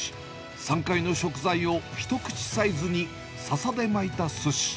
山海の食材を一口サイズに笹で巻いたすし。